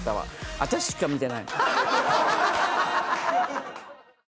私しか見てない。